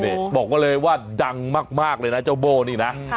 นี่บอกเลยว่าเลยว่าดังมากเลยนะเจ้าโบ้นี่นะ